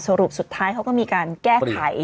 สรุปสุดท้ายเขาก็มีการแก้ไข